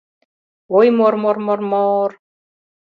— Ой, мор-мор-мор-мор-мор...